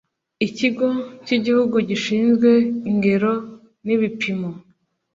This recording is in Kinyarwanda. ikigo cy’igihugu gishinzwe ingero n’ibipimo